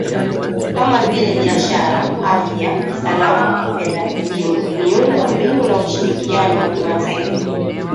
Kama vile biashara , afya , usalama , fedha , elimu , miundo mbinu na ushirikiano wa kimataifa.